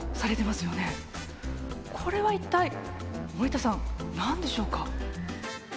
これは一体森田さん何でしょうか？